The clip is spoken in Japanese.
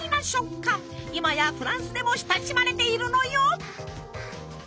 今やフランスでも親しまれているのよ！